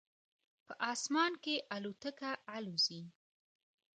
په اسمان کې الوتکه الوزي